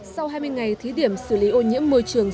sau hai mươi ngày thí điểm xử lý ô nhiễm môi trường